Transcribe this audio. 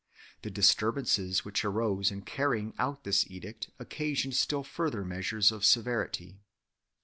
The disturbances which arose in carrying out this edict occasioned still further measures of severity.